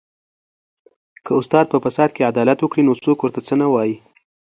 که استاد په فساد کې عدالت وکړي نو څوک ورته څه نه وايي